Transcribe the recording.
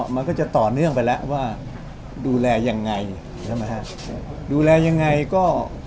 มันก็จะต่อเนื่องไปแล้วว่าดูแลยังไงใช่ไหมฮะดูแลยังไงก็